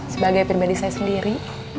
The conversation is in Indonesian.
sebagai pribadi saya sendiri